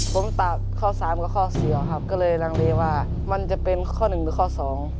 ผมตัดข้อสามกับข้อเสียครับก็เลยลังเลว่ามันจะเป็นข้อหนึ่งหรือข้อสอง